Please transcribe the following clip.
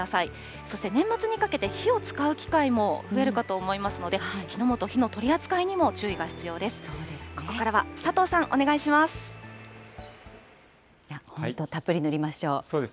そして年末にかけて、火を使う機会も増えるかと思いますので、火の元、火の取り扱いにも注意が必要です。